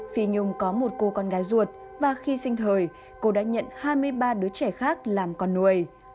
phi nhung có một cô con gái ruột và khi sinh thời cô đã nhận hai mươi ba đứa trẻ khác làm con nuôi